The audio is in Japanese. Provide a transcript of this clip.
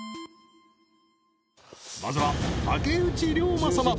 まずは竹内涼真